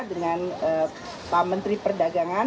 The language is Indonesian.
dengan pak menteri perdagangan